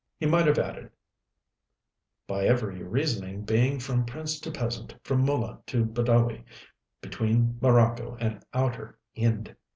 He might have added, "by every reasoning being from prince to peasant, from Mullah to Badawi, between Marocco and Outer Ind."...